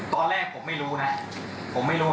ตอนแรกผมไม่รู้นะ